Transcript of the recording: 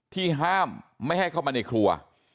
ที่ห้ามไม่ให้เข้ามาในครัว